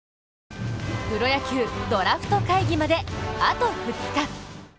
プロ野球ドラフト会議まであと２日。